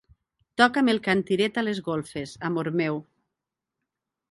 Toca'm el cantiret a les golfes, amor meu.